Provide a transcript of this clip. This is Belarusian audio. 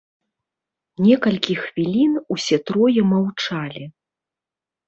Некалькі хвілін усе трое маўчалі.